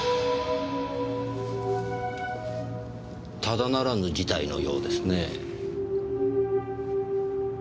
ただならぬ事態のようですねぇ。